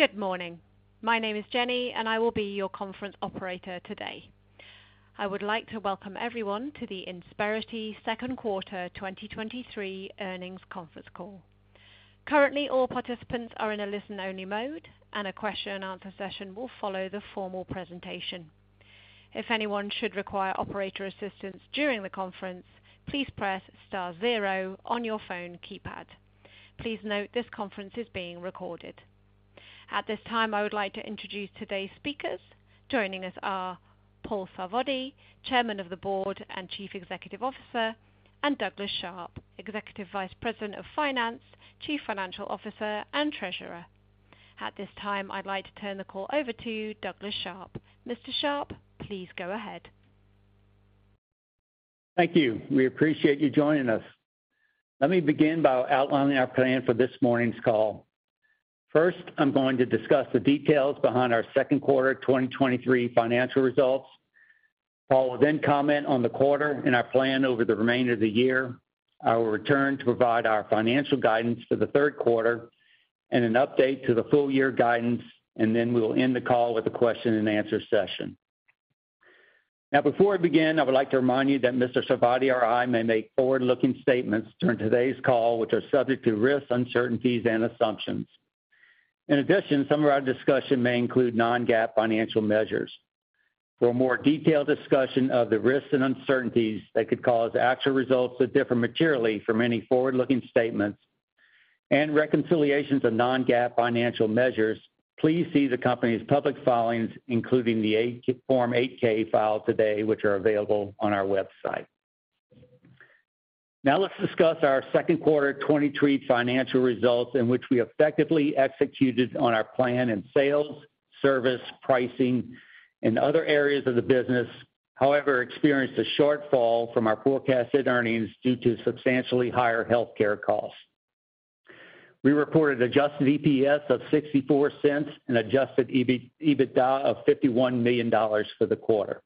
Good morning. My name is Jenny. I will be your conference operator today. I would like to welcome everyone to the Insperity Second Quarter 2023 earnings conference call. Currently, all participants are in a listen-only mode, and a question and answer session will follow the formal presentation. If anyone should require operator assistance during the conference, please press star zero on your phone keypad. Please note, this conference is being recorded. At this time, I would like to introduce today's speakers. Joining us are Paul Sarvadi, Chairman of the Board and Chief Executive Officer, and Douglas Sharp, Executive Vice President of Finance, Chief Financial Officer, and Treasurer. At this time, I'd like to turn the call over to you, Douglas Sharp. Mr. Sharp, please go ahead. Thank you. We appreciate you joining us. Let me begin by outlining our plan for this morning's call. First, I'm going to discuss the details behind our Second Quarter 2023 financial results. Paul will comment on the quarter and our plan over the remainder of the year. I will return to provide our financial guidance for the third quarter and an update to the full year guidance. We will end the call with a question and answer session. Before I begin, I would like to remind you that Mr. Sarvadi or I may make forward-looking statements during today's call, which are subject to risks, uncertainties, and assumptions. In addition, some of our discussion may include non-GAAP financial measures. For a more detailed discussion of the risks and uncertainties that could cause actual results to differ materially from any forward-looking statements and reconciliations of non-GAAP financial measures, please see the company's public filings, including the Form 8-K filed today, which are available on our website. Now, let's discuss our second quarter 2023 financial results, in which we effectively executed on our plan in sales, service, pricing, and other areas of the business, however, experienced a shortfall from our forecasted earnings due to substantially higher healthcare costs. We reported adjusted EPS of $0.64 and adjusted EBITDA of $51 million for the quarter.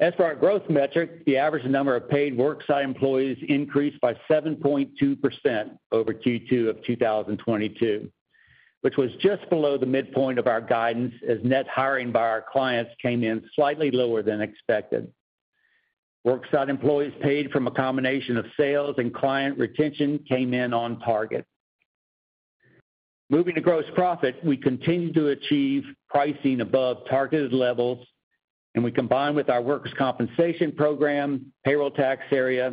As for our growth metric, the average number of paid worksite employees increased by 7.2% over Q2 of 2022, which was just below the midpoint of our guidance, as net hiring by our clients came in slightly lower than expected. Worksite employees paid from a combination of sales and client retention came in on target. Moving to gross profit, we continued to achieve pricing above targeted levels, and we combined with our workers' compensation program, payroll tax area,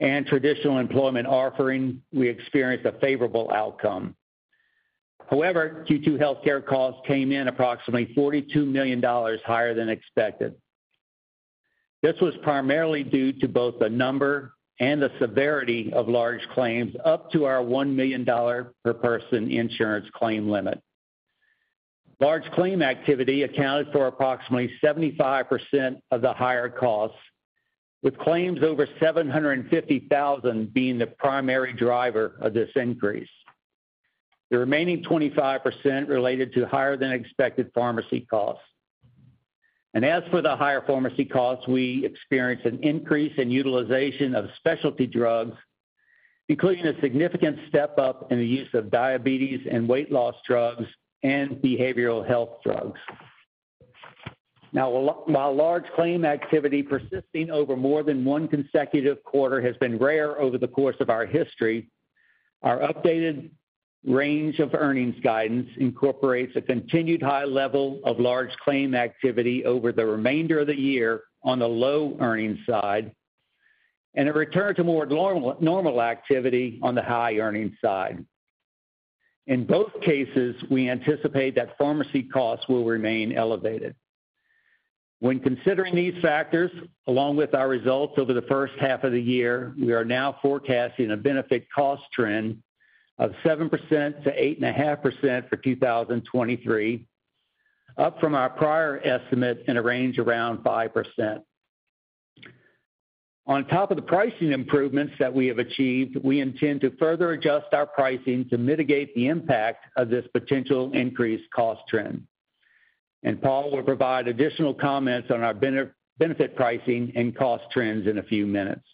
and traditional employment offering, we experienced a favorable outcome. However, Q2 healthcare costs came in approximately $42 million higher than expected. This was primarily due to both the number and the severity of large claims up to our $1 million per person insurance claim limit. Large claim activity accounted for approximately 75% of the higher costs, with claims over $750,000 being the primary driver of this increase. The remaining 25% related to higher-than-expected pharmacy costs. As for the higher pharmacy costs, we experienced an increase in utilization of specialty drugs, including a significant step up in the use of diabetes and weight loss drugs and behavioral health drugs. Now, while large claim activity persisting over more than one consecutive quarter has been rare over the course of our history, our updated range of earnings guidance incorporates a continued high level of large claim activity over the remainder of the year on the low earnings side, and a return to more norm-normal activity on the high earnings side. In both cases, we anticipate that pharmacy costs will remain elevated. When considering these factors, along with our results over the first half of the year, we are now forecasting a benefit cost trend of 7%-8.5% for 2023, up from our prior estimate in a range around 5%. On top of the pricing improvements that we have achieved, we intend to further adjust our pricing to mitigate the impact of this potential increased cost trend. Paul will provide additional comments on our benefit, pricing and cost trends in a few minutes.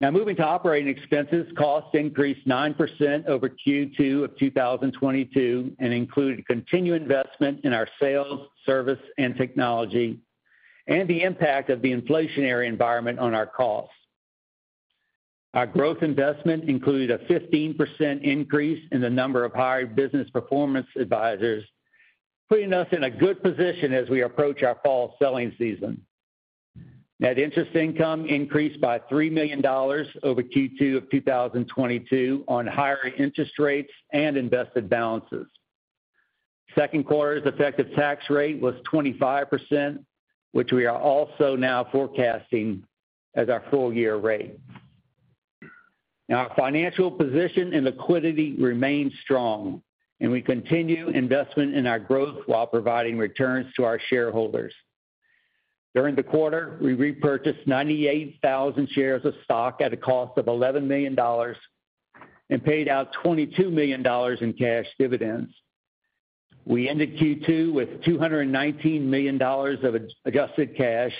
Now, moving to operating expenses, costs increased 9% over Q2 of 2022 and included continued investment in our sales, service, and technology, and the impact of the inflationary environment on our costs. Our growth investment included a 15% increase in the number of hired Business Performance Advisors, putting us in a good position as we approach our fall selling season. Net interest income increased by $3 million over Q2 of 2022 on higher interest rates and invested balances. Second quarter's effective tax rate was 25%, which we are also now forecasting as our full year rate. Our financial position and liquidity remain strong, and we continue investment in our growth while providing returns to our shareholders. During the quarter, we repurchased 98,000 shares of stock at a cost of $11 million and paid out $22 million in cash dividends. We ended Q2 with $219 million of adjusted cash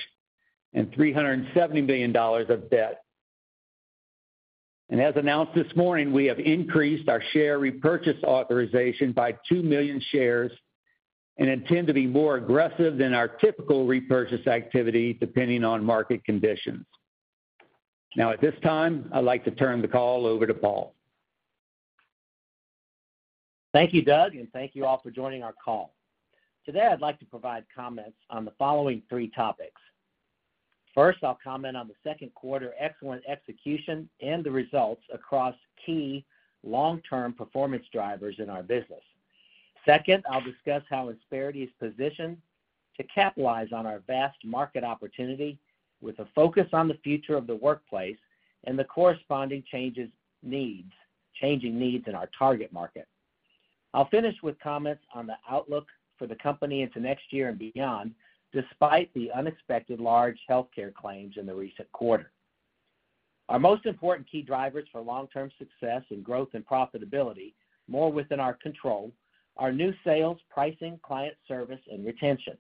and $370 million of debt. As announced this morning, we have increased our share repurchase authorization by 2 million shares and intend to be more aggressive than our typical repurchase activity, depending on market conditions. Now, at this time, I'd like to turn the call over to Paul. Thank you, Doug, and thank you all for joining our call. Today, I'd like to provide comments on the following three topics. First, I'll comment on the second quarter excellent execution and the results across key long-term performance drivers in our business. Second, I'll discuss how Insperity is positioned to capitalize on our vast market opportunity with a focus on the future of the workplace and the corresponding changing needs in our target market. I'll finish with comments on the outlook for the company into next year and beyond, despite the unexpected large healthcare claims in the recent quarter. Our most important key drivers for long-term success and growth and profitability, more within our control, are new sales, pricing, client service, and retention.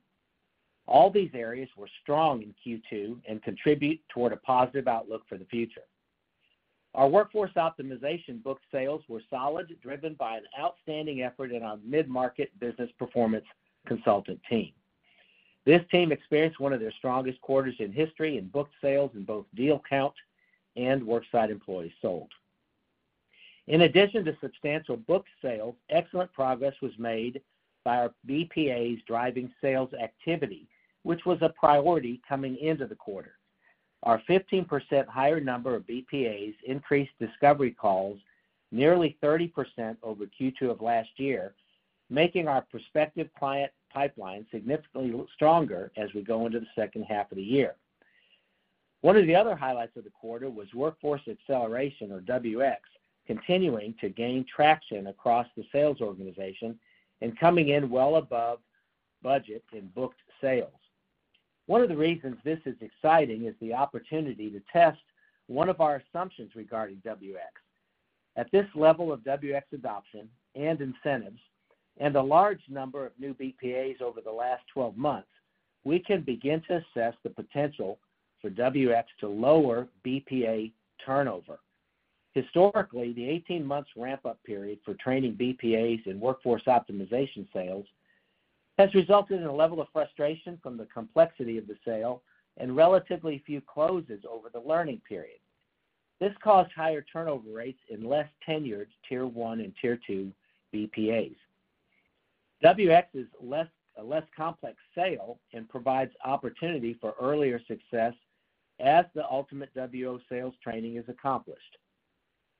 All these areas were strong in Q2 and contribute toward a positive outlook for the future. Our Workforce Optimization book sales were solid, driven by an outstanding effort in our mid-market Business Performance Consultant team. This team experienced one of their strongest quarters in history in book sales in both deal count and worksite employees sold. In addition to substantial book sales, excellent progress was made by our BPAs driving sales activity, which was a priority coming into the quarter. Our 15% higher number of BPAs increased discovery calls nearly 30% over Q2 of last year, making our prospective client pipeline significantly look stronger as we go into the second half of the year. One of the other highlights of the quarter was Workforce Acceleration, or WX, continuing to gain traction across the sales organization and coming in well above budget in booked sales. One of the reasons this is exciting is the opportunity to test one of our assumptions regarding WX. At this level of WX adoption and incentives and a large number of new BPAs over the last 12 months, we can begin to assess the potential for WX to lower BPA turnover. Historically, the 18 months ramp-up period for training BPAs in Workforce Optimization sales has resulted in a level of frustration from the complexity of the sale and relatively few closes over the learning period. This caused higher turnover rates in less tenured Tier one and Tier two BPAs. WX is less, a less complex sale and provides opportunity for earlier success as the ultimate WO sales training is accomplished.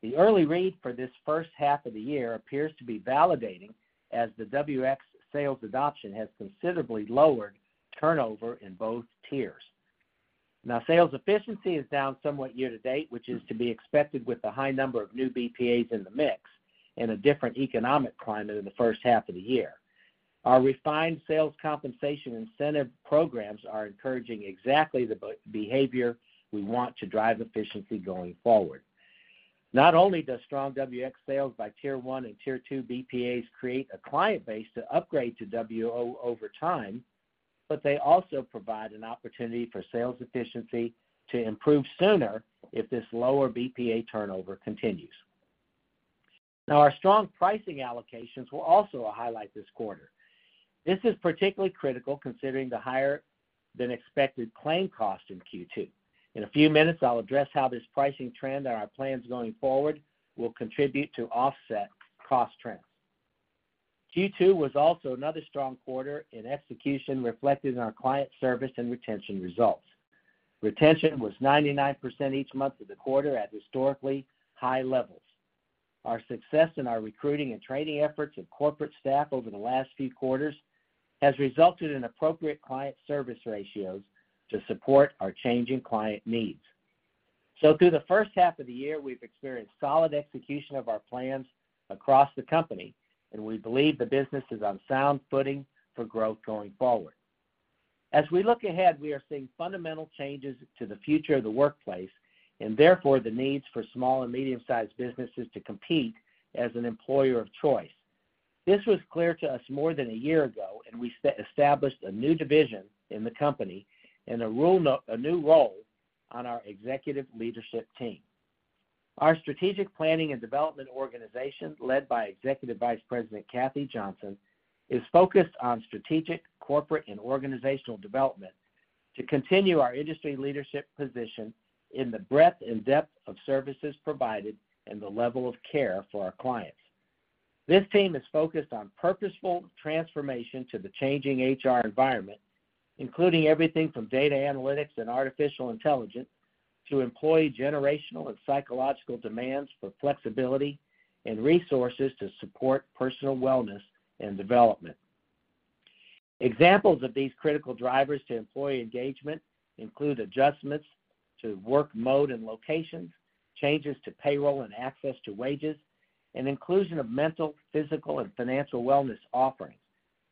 The early read for this first half of the year appears to be validating as the WX sales adoption has considerably lowered turnover in both tiers. Sales efficiency is down somewhat year to date, which is to be expected with the high number of new BPAs in the mix and a different economic climate in the first half of the year. Our refined sales compensation incentive programs are encouraging exactly the behavior we want to drive efficiency going forward. Not only does strong WX sales by Tier one and Tier two BPAs create a client base to upgrade to WO over time, but they also provide an opportunity for sales efficiency to improve sooner if this lower BPA turnover continues. Our strong pricing allocations were also a highlight this quarter. This is particularly critical considering the higher-than-expected claim cost in Q2. In a few minutes, I'll address how this pricing trend and our plans going forward will contribute to offset cost trends. Q2 was also another strong quarter in execution, reflected in our client service and retention results. Retention was 99% each month of the quarter at historically high levels. Our success in our recruiting and training efforts of corporate staff over the last few quarters has resulted in appropriate client service ratios to support our changing client needs. Through the first half of the year, we've experienced solid execution of our plans across the company, and we believe the business is on sound footing for growth going forward. As we look ahead, we are seeing fundamental changes to the future of the workplace, and therefore, the needs for small and medium-sized businesses to compete as an employer of choice. This was clear to us more than a year ago, we set established a new division in the company and a role, a new role on our executive leadership team. Our Strategic Planning and Development Organization, led by Executive Vice President Kathy Johnson, is focused on strategic, corporate, and organizational development to continue our industry leadership position in the breadth and depth of services provided and the level of care for our clients. This team is focused on purposeful transformation to the changing HR environment, including everything from data analytics and artificial intelligence to employee generational and psychological demands for flexibility and resources to support personal wellness and development. Examples of these critical drivers to employee engagement include adjustments to work mode and locations, changes to payroll and access to wages, and inclusion of mental, physical, and financial wellness offerings.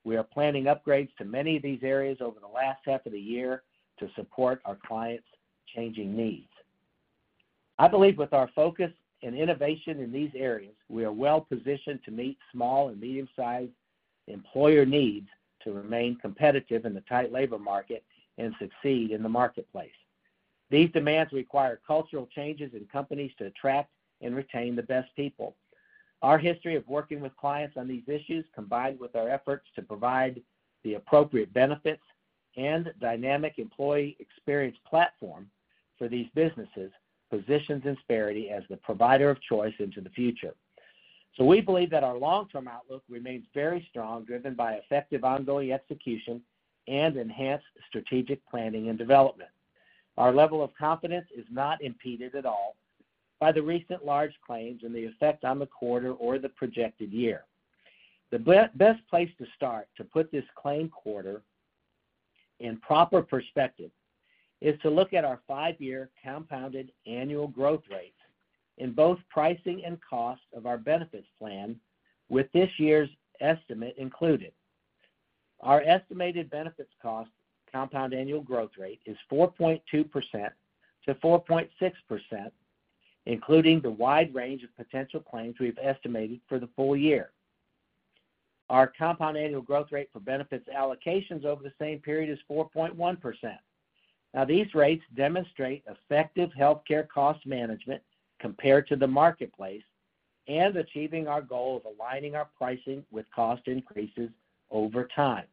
We are planning upgrades to many of these areas over the last half of the year to support our clients' changing needs. I believe with our focus and innovation in these areas, we are well positioned to meet small and medium-sized employer needs to remain competitive in the tight labor market and succeed in the marketplace. These demands require cultural changes in companies to attract and retain the best people. Our history of working with clients on these issues, combined with our efforts to provide the appropriate benefits and dynamic employee experience platform for these businesses, positions Insperity as the provider of choice into the future. We believe that our long-term outlook remains very strong, driven by effective ongoing execution and enhanced strategic planning and development. Our level of confidence is not impeded at all by the recent large claims and the effect on the quarter or the projected year. The best place to start to put this claim quarter in proper perspective is to look at our five-year compound annual growth rates in both pricing and cost of our benefits plan, with this year's estimate included. Our estimated benefits cost compound annual growth rate is 4.2%-4.6%, including the wide range of potential claims we've estimated for the full year. Our compound annual growth rate for benefits allocations over the same period is 4.1%. These rates demonstrate effective healthcare cost management compared to the marketplace and achieving our goal of aligning our pricing with cost increases over time.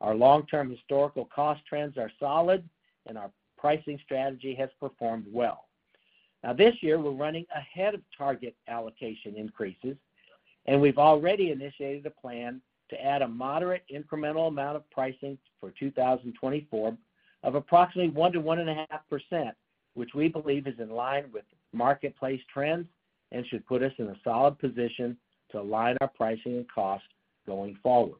Our long-term historical cost trends are solid, and our pricing strategy has performed well. Now, this year, we're running ahead of target allocation increases. We've already initiated a plan to add a moderate incremental amount of pricing for 2024 of approximately 1%-1.5%, which we believe is in line with marketplace trends and should put us in a solid position to align our pricing and costs going forward.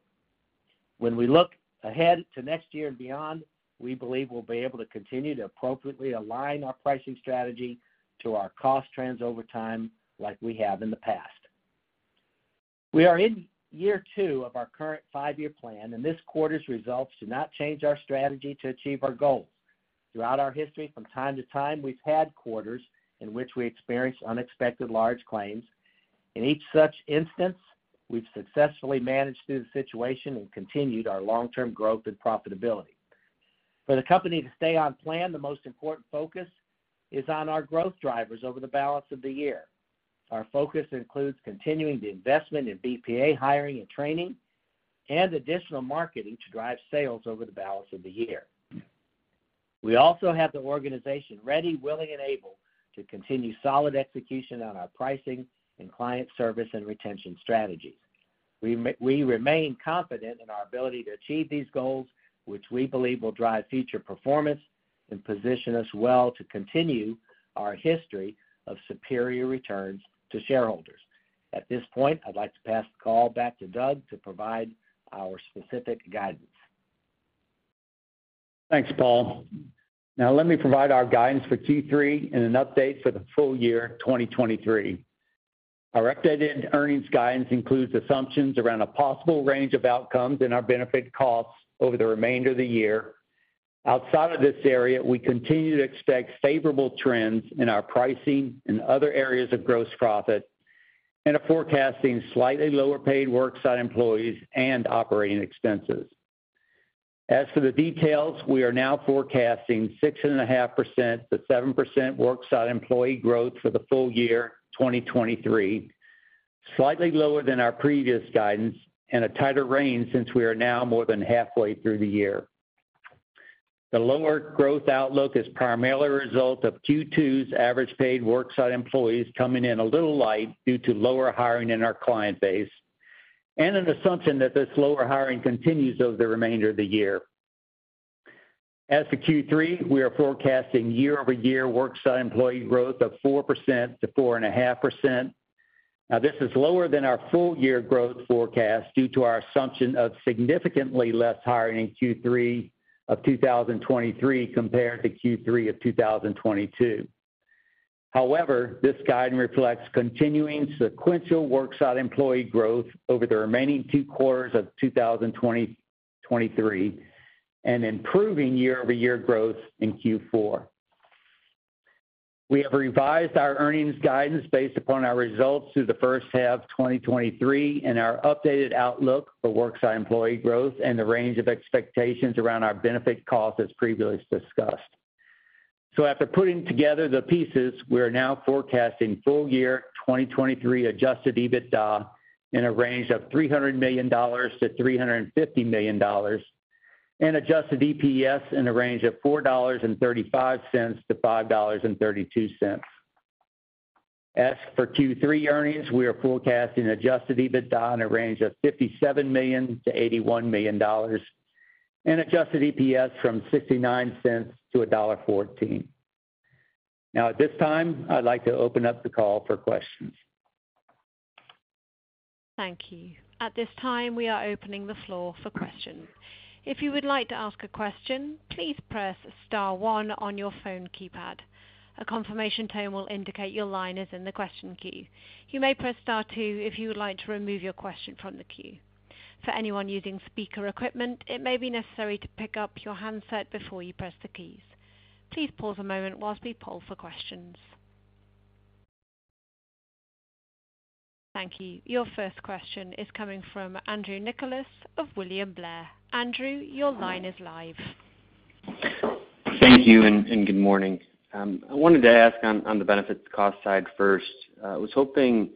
When we look ahead to next year and beyond, we believe we'll be able to continue to appropriately align our pricing strategy to our cost trends over time, like we have in the past. We are in year two of our current five-year plan. This quarter's results do not change our strategy to achieve our goals. Throughout our history, from time to time, we've had quarters in which we experienced unexpected large claims. In each such instance, we've successfully managed through the situation and continued our long-term growth and profitability. For the company to stay on plan, the most important focus is on our growth drivers over the balance of the year. Our focus includes continuing the investment in BPA hiring and training, and additional marketing to drive sales over the balance of the year. We also have the organization ready, willing, and able to continue solid execution on our pricing and client service and retention strategies. We remain confident in our ability to achieve these goals, which we believe will drive future performance and position us well to continue our history of superior returns to shareholders. At this point, I'd like to pass the call back to Doug to provide our specific guidance. Thanks, Paul. Let me provide our guidance for Q3 and an update for the full year 2023. Our updated earnings guidance includes assumptions around a possible range of outcomes in our benefit costs over the remainder of the year. Outside of this area, we continue to expect favorable trends in our pricing and other areas of gross profit and are forecasting slightly lower paid worksite employees and operating expenses. As for the details, we are now forecasting 6.5%-7% worksite employee growth for the full year 2023, slightly lower than our previous guidance and a tighter range since we are now more than halfway through the year. The lower growth outlook is primarily a result of Q2's average paid worksite employees coming in a little light due to lower hiring in our client base and an assumption that this lower hiring continues over the remainder of the year. As to Q3, we are forecasting year-over-year worksite employee growth of 4%-4.5%. This is lower than our full year growth forecast due to our assumption of significantly less hiring in Q3 of 2023 compared to Q3 of 2022. This guidance reflects continuing sequential worksite employee growth over the remaining two quarters of 2023, and improving year-over-year growth in Q4. We have revised our earnings guidance based upon our results through the first half of 2023 and our updated outlook for worksite employee growth and the range of expectations around our benefit costs, as previously discussed. After putting together the pieces, we are now forecasting full year 2023 adjusted EBITDA in a range of $300 million-$350 million, and adjusted EPS in a range of $4.35-$5.32. As for Q3 earnings, we are forecasting adjusted EBITDA in a range of $57 million-$81 million and adjusted EPS from $0.69 to $1.14. Now, at this time, I'd like to open up the call for questions. Thank you. At this time, we are opening the floor for questions. If you would like to ask a question, please press star one on your phone keypad. A confirmation tone will indicate your line is in the question queue. You may press star two if you would like to remove your question from the queue. For anyone using speaker equipment, it may be necessary to pick up your handset before you press the keys. Please pause a moment while we poll for questions. Thank you. Your first question is coming from Andrew Nicholas of William Blair. Andrew, your line is live. Thank you, and good morning. I wanted to ask on the benefit cost side first. I was hoping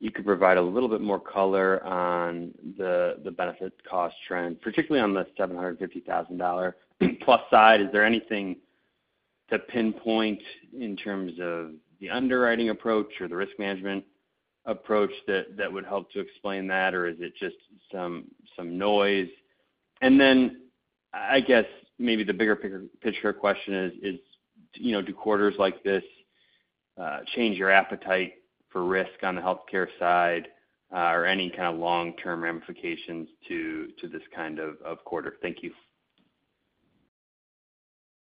you could provide a little bit more color on the benefit cost trend, particularly on the $750,000 plus side. Is there anything to pinpoint in terms of the underwriting approach or the risk management approach that would help to explain that, or is it just some noise? I guess maybe the bigger picture question is, you know, do quarters like this change your appetite for risk on the healthcare side, or any kind of long-term ramifications to this kind of quarter? Thank you.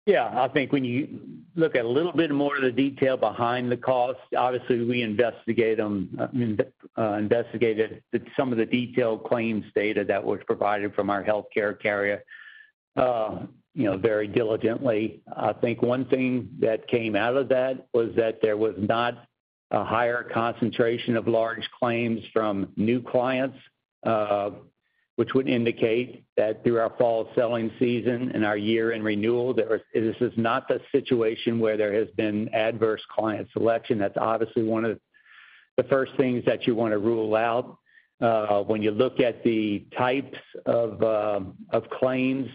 Yeah, I think when you look at a little bit more of the detail behind the cost, obviously, we investigate them, investigated some of the detailed claims data that was provided from our healthcare carrier, you know, very diligently. I think one thing that came out of that was that there was not a higher concentration of large claims from new clients, which would indicate that through our fall selling season and our year-end renewal, this is not the situation where there has been adverse client selection. That's obviously one of the first things that you want to rule out. When you look at the types of claims,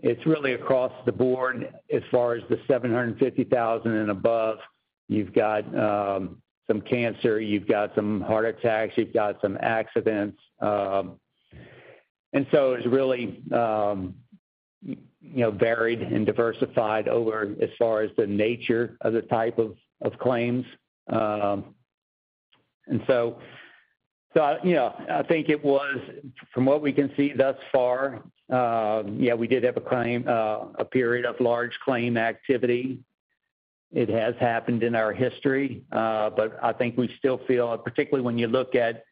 it's really across the board as far as the 750,000 and above. You've got some cancer, you've got some heart attacks, you've got some accidents. It's really, you know, varied and diversified over as far as the nature of the type of, of claims. You know, I think it was, from what we can see thus far, yeah, we did have a claim, a period of large claim activity. It has happened in our history, but I think we still feel, particularly when you look at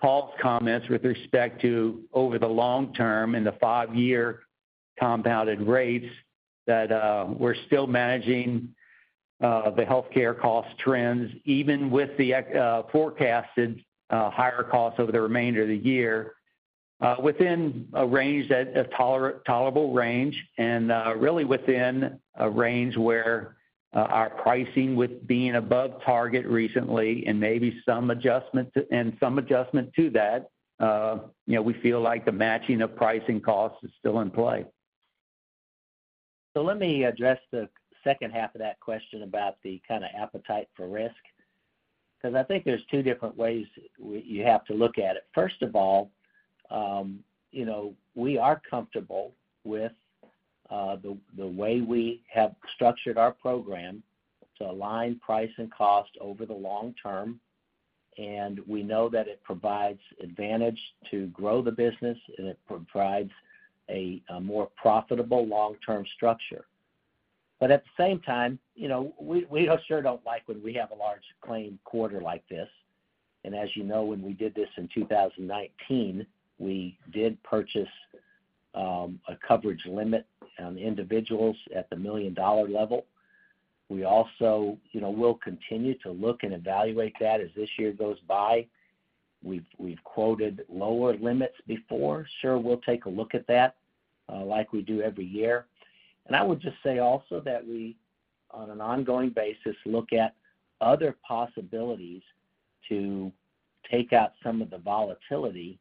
Paul's comments with respect to over the long term in the five-year compounded rates, that we're still managing the healthcare cost trends, even with the ex-forecasted higher costs over the remainder of the year, within a tolerable range, and really within a range where our pricing with being above target recently and maybe some adjustment to, and some adjustment to that, you know, we feel like the matching of pricing costs is still in play. Let me address the second half of that question about the kind of appetite for risk, because I think there's two different ways you have to look at it. First of all, you know, we are comfortable with the way we have structured our program to align price and cost over the long term, and we know that it provides advantage to grow the business, and it provides a more profitable long-term structure. At the same time, you know, we, we sure don't like when we have a large claim quarter like this. As you know, when we did this in 2019, we did purchase a coverage limit on individuals at the $1 million level. We also, you know, will continue to look and evaluate that as this year goes by. We've, we've quoted lower limits before. Sure, we'll take a look at that, like we do every year. I would just say also that we, on an ongoing basis, look at other possibilities to take out some of the volatility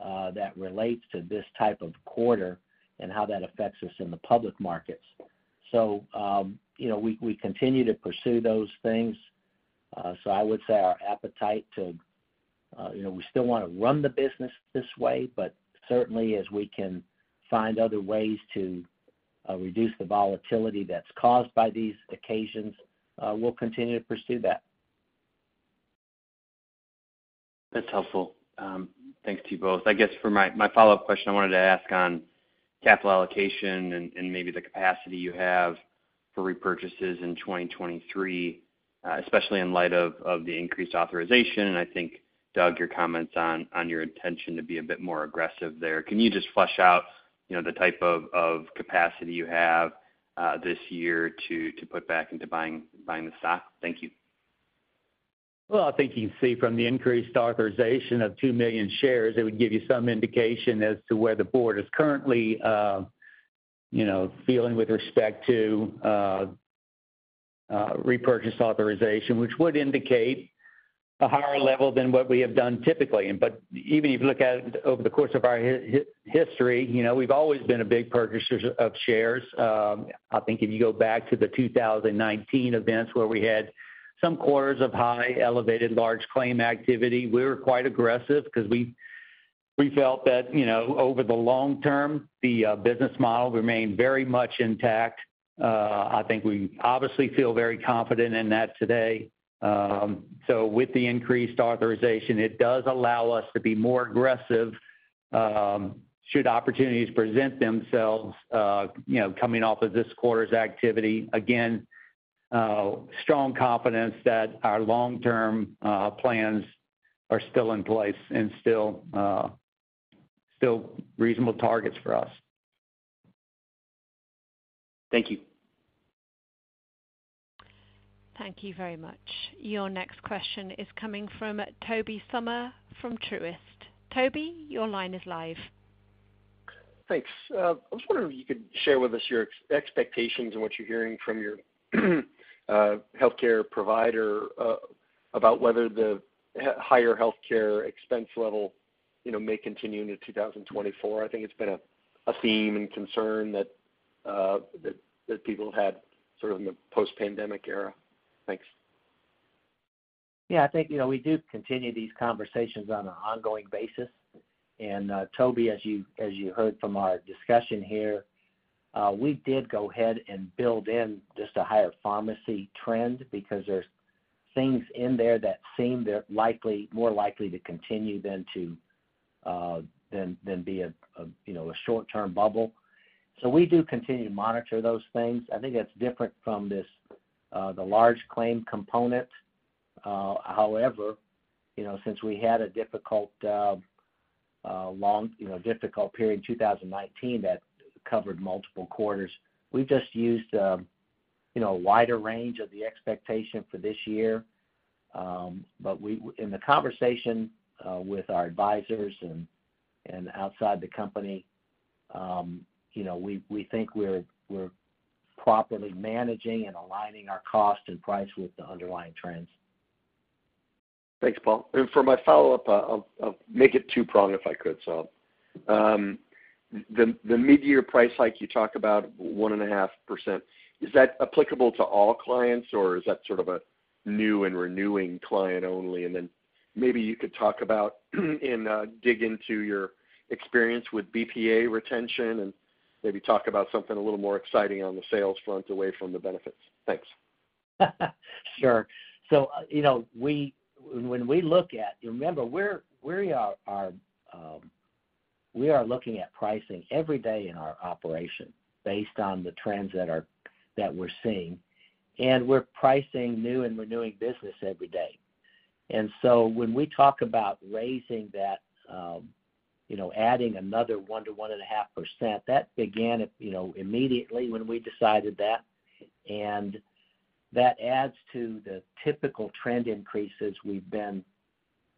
that relates to this type of quarter and how that affects us in the public markets. You know, we, we continue to pursue those things. I would say our appetite to, you know, we still want to run the business this way, but certainly as we can find other ways to reduce the volatility that's caused by these occasions, we'll continue to pursue that. That's helpful. Thanks to you both. I guess for my, my follow-up question, I wanted to ask on capital allocation and, and maybe the capacity you have for repurchases in 2023, especially in light of, of the increased authorization. I think, Doug, your comments on, on your intention to be a bit more aggressive there. Can you just flesh out, you know, the type of, of capacity you have this year to, to put back into buying, buying the stock? Thank you. Well, I think you can see from the increased authorization of two million shares, it would give you some indication as to where the board is currently, you know, feeling with respect to, repurchase authorization, which would indicate a higher level than what we have done typically. Even if you look at it over the course of our history, you know, we've always been a big purchaser of shares. I think if you go back to the 2019 events where we had some quarters of high, elevated, large claim activity, we were quite aggressive because we, we felt that, you know, over the long term, the business model remained very much intact. I think we obviously feel very confident in that today. With the increased authorization, it does allow us to be more aggressive, should opportunities present themselves, you know, coming off of this quarter's activity. Again, strong confidence that our long-term plans are still in place and still reasonable targets for us. Thank you. Thank you very much. Your next question is coming from Tobey Sommer from Truist. Toby, your line is live. Thanks. I was wondering if you could share with us your expectations and what you're hearing from your healthcare provider about whether the higher healthcare expense level, you know, may continue into 2024. I think it's been a theme and concern that people have had sort of in the post-pandemic era. Thanks. Yeah, I think, you know, we do continue these conversations on an ongoing basis. Toby, as you, as you heard from our discussion here, we did go ahead and build in just a higher pharmacy trend because there's things in there that seem they're likely, more likely to continue than to, than, than be a, a, you know, a short-term bubble. We do continue to monitor those things. I think that's different from this, the large claim component. You know, since we had a difficult, long, you know, difficult period in 2019 that covered multiple quarters, we've just used, you know, a wider range of the expectation for this year. We, in the conversation, with our advisors and, and outside the company, you know, we, we think we're, we're properly managing and aligning our cost and price with the underlying trends. Thanks, Paul. For my follow-up, I'll, I'll make it two-pronged, if I could. The mid-year price hike, you talk about 1.5%. Is that applicable to all clients, or is that sort of a new and renewing client only? Then maybe you could talk about, and dig into your experience with BPA retention and maybe talk about something a little more exciting on the sales front away from the benefits. Thanks. Sure. You know, we, when we look at, remember, we're, we are, we are looking at pricing every day in our operation based on the trends that are, that we're seeing, and we're pricing new and renewing business every day. When we talk about raising that, you know, adding another 1%-1.5%, that began, you know, immediately when we decided that, and that adds to the typical trend increases we've been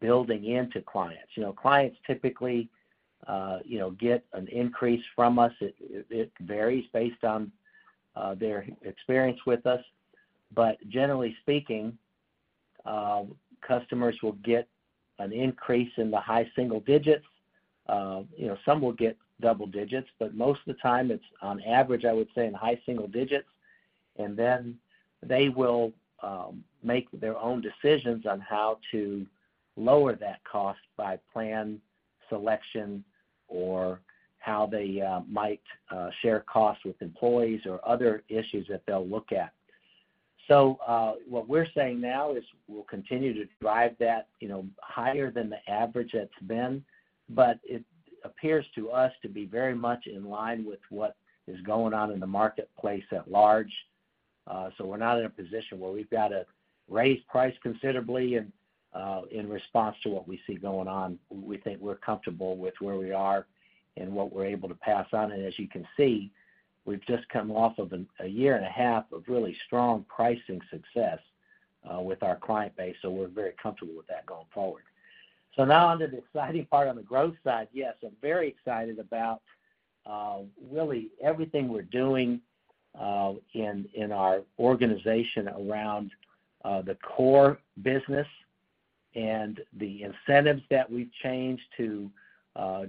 building into clients. You know, clients typically, you know, get an increase from us. It varies based on their experience with us. Generally speaking, customers will get an increase in the high single digits. You know, some will get double digits, but most of the time, it's on average, I would say, in high single digits. Then they will make their own decisions on how to lower that cost by plan, selection, or how they might share costs with employees or other issues that they'll look at. What we're saying now is we'll continue to drive that, you know, higher than the average it's been, but it appears to us to be very much in line with what is going on in the marketplace at large. So we're not in a position where we've got to raise price considerably in response to what we see going on. We think we're comfortable with where we are and what we're able to pass on. As you can see, we've just come off of a year and a half of really strong pricing success with our client base, so we're very comfortable with that going forward. Now on to the exciting part on the growth side. Yes, I'm very excited about really everything we're doing in our organization around the core business and the incentives that we've changed to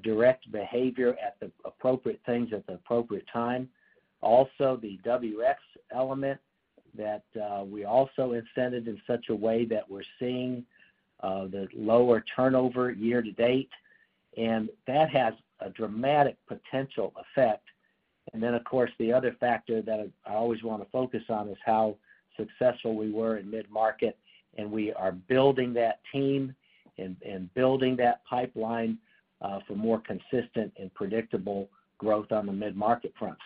direct behavior at the appropriate things at the appropriate time. Also, the WX element that we also incented in such a way that we're seeing the lower turnover year to date, and that has a dramatic potential effect. Of course, the other factor that I always want to focus on is how successful we were in mid-market, and we are building that team and building that pipeline for more consistent and predictable growth on the mid-market front.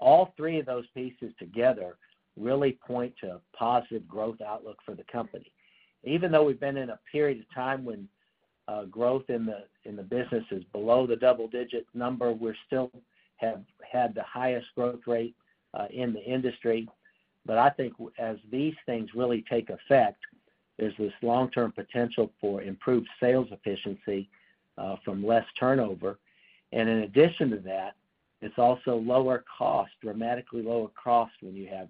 All three of those pieces together really point to a positive growth outlook for the company. Even though we've been in a period of time when, growth in the, in the business is below the double-digit number, we still have had the highest growth rate in the industry. I think as these things really take effect, there's this long-term potential for improved sales efficiency from less turnover. In addition to that, it's also lower cost, dramatically lower cost when you have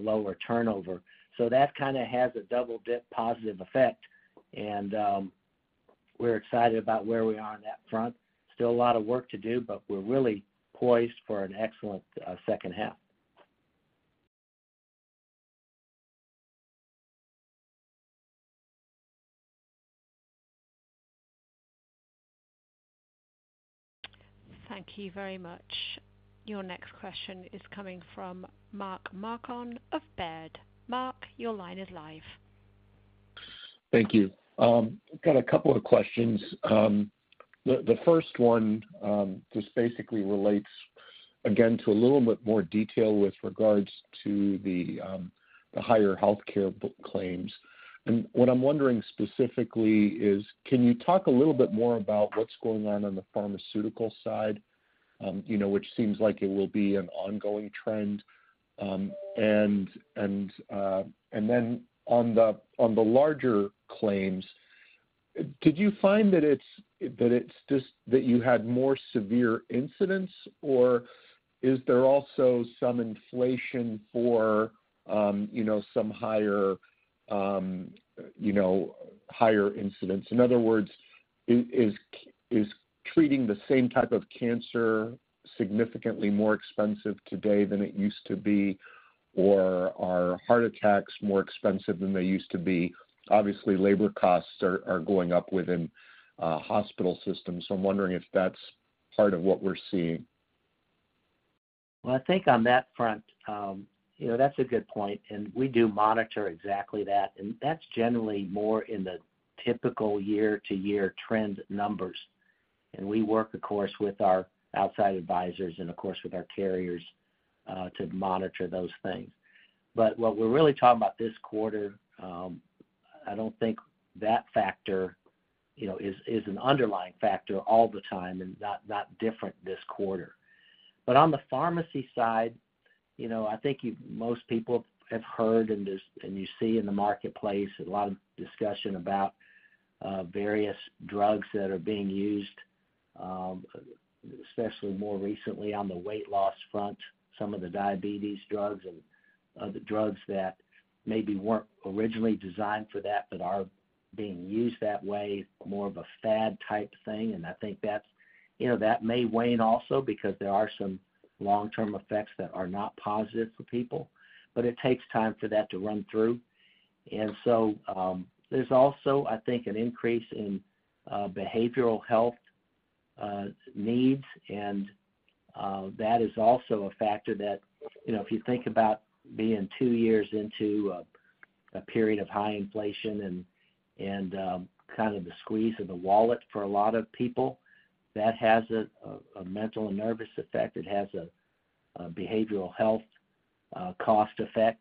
lower turnover. That kind of has a double-dip positive effect, and we're excited about where we are on that front. Still a lot of work to do, but we're really poised for an excellent second half. Thank you very much. Your next question is coming from Mark Marcon of Baird. Mark, your line is live. Thank you. I've got a couple of questions. The, the first one, just basically relates again to a little bit more detail with regards to the, the higher healthcare claims. What I'm wondering specifically is, can you talk a little bit more about what's going on on the pharmaceutical side? You know, which seems like it will be an ongoing trend. And, and then on the, on the larger claims, did you find that it's, that it's just that you had more severe incidents, or is there also some inflation for, you know, some higher, you know, higher incidents? In other words, is, is, is treating the same type of cancer significantly more expensive today than it used to be? Or are heart attacks more expensive than they used to be? Obviously, labor costs are, are going up within, hospital systems, so I'm wondering if that's part of what we're seeing. Well, I think on that front, you know, that's a good point, and we do monitor exactly that. That's generally more in the typical year-to-year trend numbers. We work, of course, with our outside advisors and, of course, with our carriers, to monitor those things. What we're really talking about this quarter, I don't think that factor, you know, is an underlying factor all the time and not different this quarter. On the pharmacy side, you know, I think most people have heard, and this, and you see in the marketplace a lot of discussion about various drugs that are being used, especially more recently on the weight loss front, some of the diabetes drugs and other drugs that maybe weren't originally designed for that, but are being used that way, more of a fad type thing. I think that's, you know, that may wane also because there are some long-term effects that are not positive for people, but it takes time for that to run through. There's also, I think, an increase in behavioral health needs, and that is also a factor that, you know, if you think about being two years into a period of high inflation and kind of the squeeze of the wallet for a lot of people, that has a mental and nervous effect. It has a behavioral health cost effect.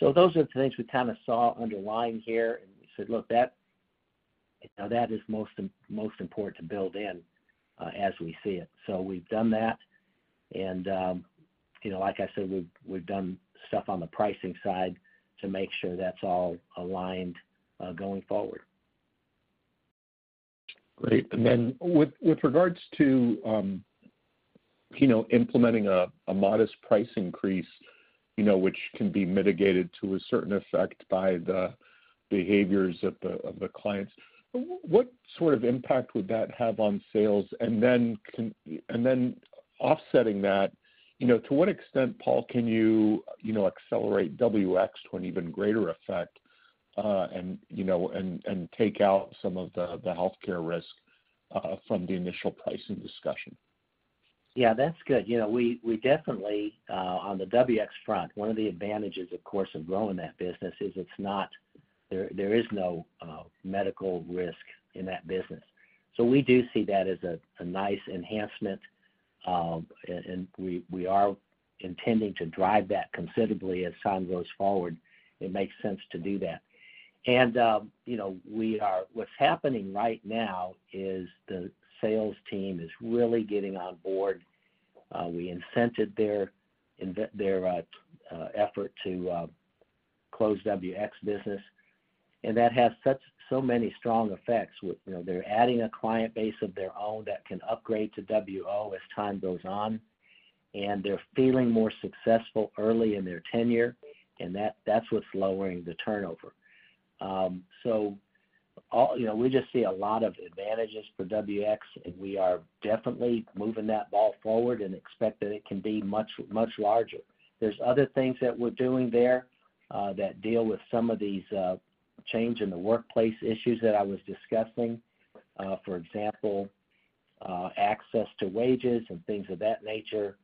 Those are the things we kind of saw underlying here and we said, look, that, you know, that is most, most important to build in as we see it. So we've done that. You know, like I said, we've, we've done stuff on the pricing side to make sure that's all aligned, going forward. Great. With, with regards to, you know, implementing a, a modest price increase, you know, which can be mitigated to a certain effect by the behaviors of the, of the clients, what sort of impact would that have on sales? Then offsetting that, you know, to what extent, Paul, can you, you know, accelerate WX to an even greater effect, and, you know, and, and take out some of the, the healthcare risk from the initial pricing discussion? Yeah, that's good. You know, we, we definitely on the WX front, one of the advantages, of course, of growing that business is it's not, there, there is no medical risk in that business. We do see that as a nice enhancement. We, we are intending to drive that considerably as time goes forward. It makes sense to do that. You know, we are-- what's happening right now is the sales team is really getting on board. We incented their effort to close WX business, and that has such so many strong effects with, you know, they're adding a client base of their own that can upgrade to WO as time goes on, and they're feeling more successful early in their tenure, and that-that's what's lowering the turnover. All... You know, we just see a lot of advantages for WX. We are definitely moving that ball forward and expect that it can be much, much larger. There's other things that we're doing there, that deal with some of these, change in the workplace issues that I was discussing. For example, access to wages and things of that nature,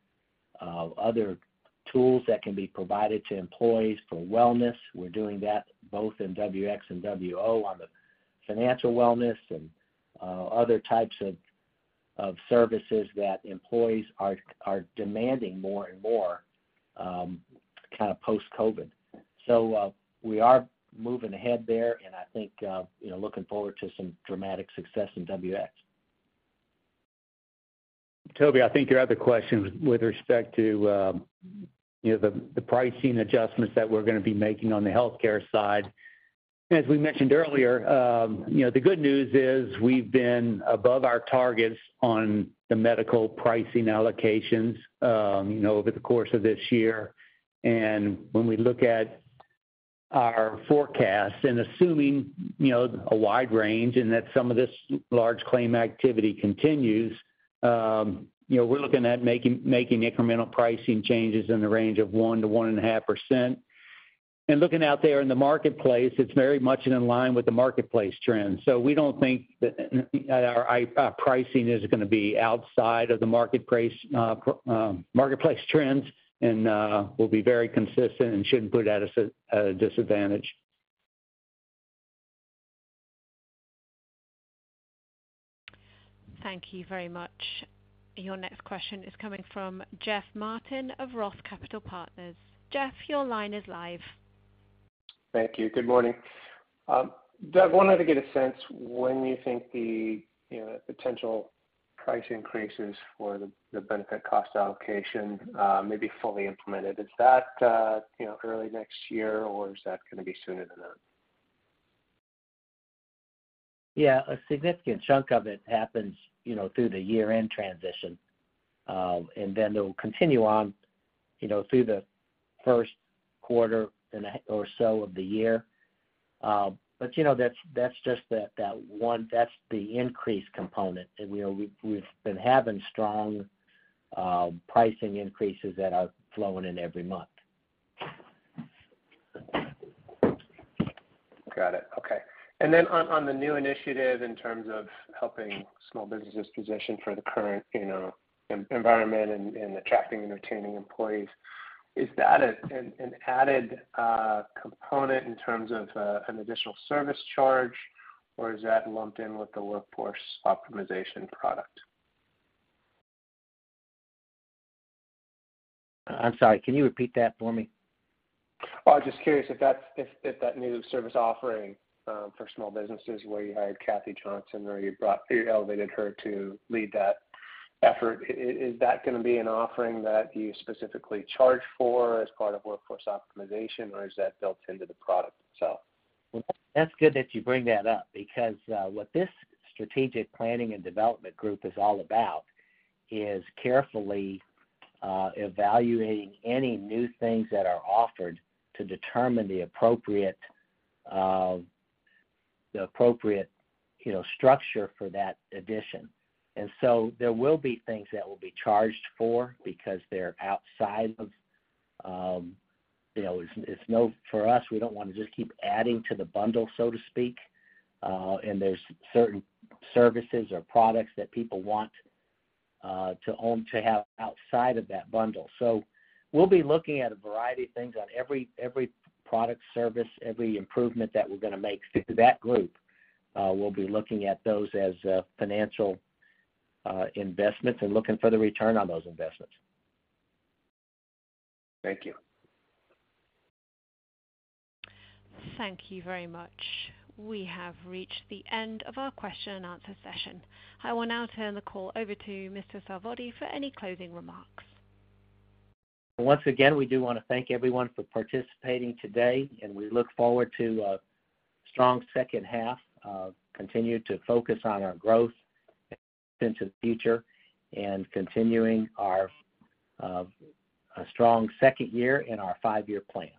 other tools that can be provided to employees for wellness. We're doing that both in WX and WO on the financial wellness and, other types of, of services that employees are, are demanding more and more, kind of post-COVID. We are moving ahead there. I think, you know, looking forward to some dramatic success in WX. Toby, I think your other question with respect to, you know, the, the pricing adjustments that we're gonna be making on the healthcare side. As we mentioned earlier, you know, the good news is we've been above our targets on the medical pricing allocations, you know, over the course of this year. When we look at our forecast and assuming, you know, a wide range and that some of this large claim activity continues, you know, we're looking at making, making incremental pricing changes in the range of 1% to 1.5%. Looking out there in the marketplace, it's very much in line with the marketplace trends. We don't think that our pricing is going to be outside of the market price, marketplace trends, and will be very consistent and shouldn't put us at a disadvantage. Thank you very much. Your next question is coming from Jeff Martin of Roth Capital Partners. Jeff, your line is live. Thank you. Good morning. Doug, wanted to get a sense when you think the potential price increases for the benefit cost allocation may be fully implemented. Is that early next year, or is that gonna be sooner than that? Yeah, a significant chunk of it happens, you know, through the year-end transition. They'll continue on, you know, through the 1st quarter and a half or so of the year. You know, that's, that's just that, that's the increase component. You know, we've, we've been having strong pricing increases that are flowing in every month. Got it. Okay. Then on, on the new initiative, in terms of helping small businesses position for the current, you know, en- environment and, and attracting and retaining employees, is that an, an added, component in terms of, an additional service charge, or is that lumped in with the Workforce Optimization product? I'm sorry, can you repeat that for me? Oh, I'm just curious if that's if that new service offering for small businesses, where you hired Kathy Johnson, or you brought you elevated her to lead that effort, is that gonna be an offering that you specifically charge for as part of Workforce Optimization, or is that built into the product itself? That's good that you bring that up, because what this Strategic Planning and Development Group is all about, is carefully evaluating any new things that are offered to determine the appropriate, the appropriate, you know, structure for that addition. There will be things that will be charged for, because they're outside of, you know. For us, we don't want to just keep adding to the bundle, so to speak. There's certain services or products that people want to own, to have outside of that bundle. So we'll be looking at a variety of things on every, every product service, every improvement that we're gonna make through that group. We'll be looking at those as financial investments and looking for the return on those investments. Thank you. Thank you very much. We have reached the end of our question and answer session. I will now turn the call over to Mr. Sarvadi for any closing remarks. Once again, we do want to thank everyone for participating today, and we look forward to a strong second half, continue to focus on our growth into the future and continuing our a strong second year in our five-year plan.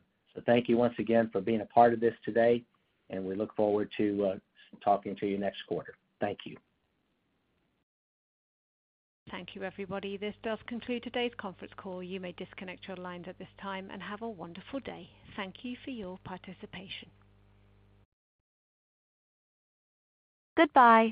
Thank you once again for being a part of this today, and we look forward to talking to you next quarter. Thank you. Thank you, everybody. This does conclude today's conference call. You may disconnect your lines at this time and have a wonderful day. Thank you for your participation. Goodbye.